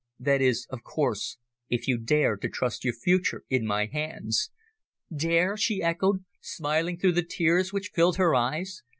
"That is, of course, if you dare to trust your future in my hands." "Dare!" she echoed, smiling through the tears which filled her eyes.